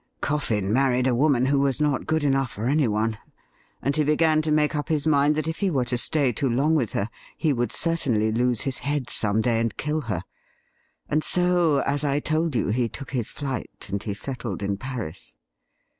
Coffin married a woman who was not good enough for anyone, and he began to make up his mind that if he were to stay too long with her he would certainly lose his head some day and kill her — and so, as I told you, he took his flight, and he settled in Paris.